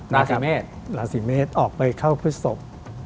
ราศิเมศออกไปเข้าพฤศพ